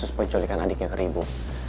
dia mau menculikkan adiknya ke ribu